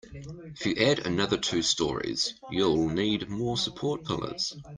If you add another two storeys, you'll need more support pillars.